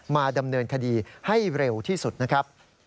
มาดำเนินคดีให้เร็วที่สุดนะครับ